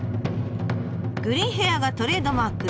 グリーンヘアがトレードマーク。